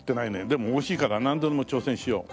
でもおいしいから何度でも挑戦しよう。